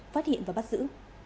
phát hiện và bắt giữ